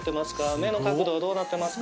目の角度どうなってますか？